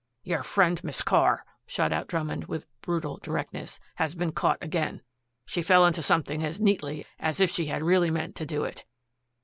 "Your friend, Miss Carr," shot out Drummond with brutal directness, "has been caught again. She fell into something as neatly as if she had really meant to do it.